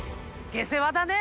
下世話だね。